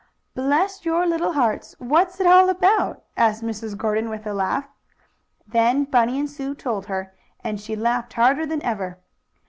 "Bless your little hearts! What's it all about?" asked Mrs. Gordon with a laugh. Then Bunny and Sue told her, and she laughed harder than ever.